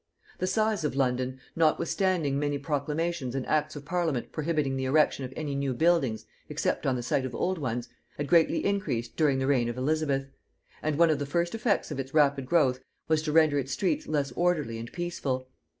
The size of London, notwithstanding many proclamations and acts of parliament prohibiting the erection of any new buildings except on the site of old ones, had greatly increased during the reign of Elizabeth; and one of the first effects of its rapid growth was to render its streets less orderly and peaceful.